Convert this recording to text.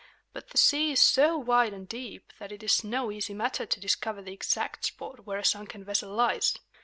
But the sea is so wide and deep that it is no easy matter to discover the exact spot where a sunken vessel lies.